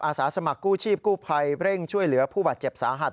สาสมัครกู้ชีพกู้ภัยเร่งช่วยเหลือผู้บาดเจ็บสาหัส